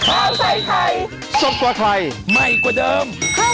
ข้าวใส่ไทยสอบกว่าใครใหม่กว่าเดิมค่อยเมื่อล่า